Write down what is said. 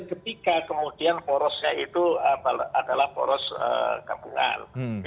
ketika kemudian porosnya itu adalah poros gabungan